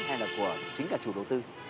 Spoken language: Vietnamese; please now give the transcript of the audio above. hay là của chính cả chủ đầu tư